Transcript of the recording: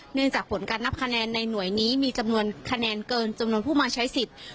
จากผลการนับคะแนนในหน่วยนี้มีจำนวนคะแนนเกินจำนวนผู้มาใช้สิทธิ์